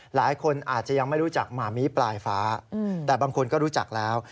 หลายคนอาจจะยังไม่รู้จักหมามีปลายฟ้าแต่บางคนก็รู้จักแล้ว